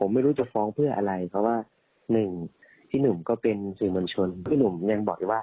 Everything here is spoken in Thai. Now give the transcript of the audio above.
ให้ทุกอย่างมันจบ